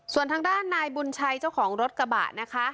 ส่วนทางด้านนายบุญชัยเจ้าของรถกระบะนะคะ